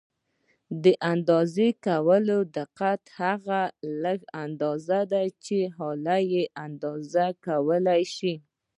د اندازه کولو دقت هغه لږه اندازه ده چې آله یې اندازه کولای شي.